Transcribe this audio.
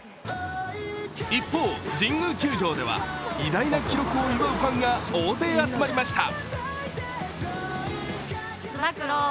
一方、神宮球場では偉大な記録を祝うファンが大勢集まりました。